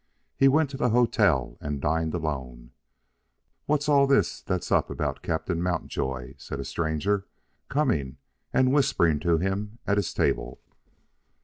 He went to the hotel and dined alone. "What's all this that's up about Captain Mountjoy?" said a stranger, coming and whispering to him at his table.